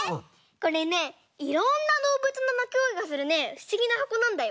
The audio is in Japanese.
これねいろんなどうぶつのなきごえがするねふしぎなはこなんだよ。